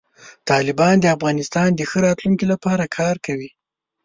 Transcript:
طالبان د افغانستان د ښه راتلونکي لپاره کار کوي.